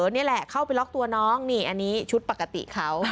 นี่แหละเข้าไปล็อกตัวน้องนี่อันนี้ชุดปกติเขา